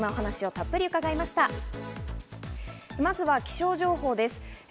まずは気象情報です。